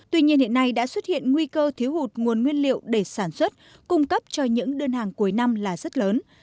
tuy nhiên hiện nay đã xuất hiện nguy cơ thiếu hụt nguồn nguyên liệu để sản xuất cung cấp cho những đơn hàng cuối năm là rất lớn